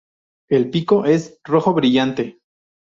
El pico es rojo brillante.